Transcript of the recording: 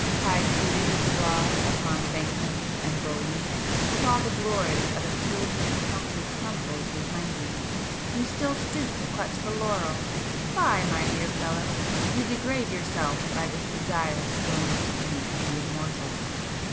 —high seated as you are upon bank notes and bullion, with all the glory of effulgent county chronicles behind you, you still stoop to clutch the laurel! Fie, my dear fellow! You degrade yourself by this desire to join the company of the immortals!"